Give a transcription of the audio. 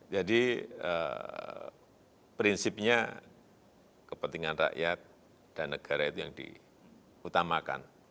jadi prinsipnya kepentingan rakyat dan negara itu yang diutamakan